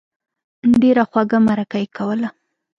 ډېره خوږه مرکه یې کوله.